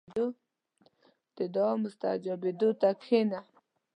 • د دعا مستجابېدو ته کښېنه.